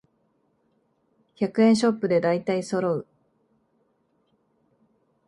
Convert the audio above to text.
百円ショップでだいたいそろう